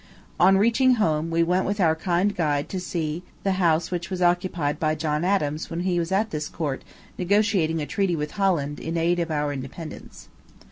On reaching home, we went with our kind guide to see the house which was occupied by John Adams when he was at this court negotiating a treaty with Holland in aid of our independence.